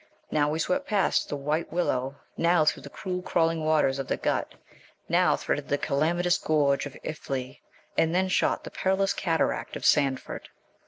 Now we swept past the White Willow, now through the cruel crawling waters of the Gut, now threaded the calamitous gorge of Iffley, and then shot the perilous cataract of Sandford.